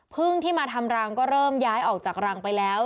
พึ่งที่มาทำรังก็เริ่มย้ายออกจากรังไปแล้ว